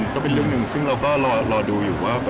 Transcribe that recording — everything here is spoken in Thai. ก็เป็นเรื่องหนึ่งซึ่งเราก็รอดูอยู่ว่า